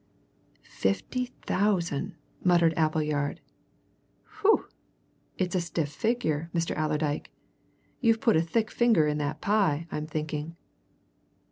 "Fifty thousand!" muttered Appleyard. "Whew! It's a stiff figure, Mr. Allerdyke. You've put a thick finger in that pie, I'm thinking!"